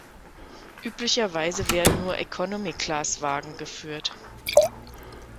Üblicherweise werden nur Economy-Class-Wagen geführt.